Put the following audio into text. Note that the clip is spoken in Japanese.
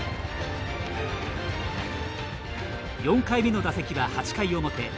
４回目の打席は、８回表。